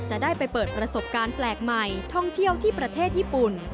จะได้ไปเปิดประสบการณ์แปลกใหม่ท่องเที่ยวที่ประเทศญี่ปุ่น